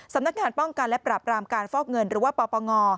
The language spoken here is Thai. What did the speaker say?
สำนักงานป้องกันและปราบรามการฟอกเงินหรือว่าปปง